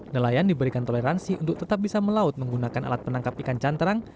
nelayan diberikan toleransi untuk tetap bisa melaut menggunakan alat penangkap ikan canterang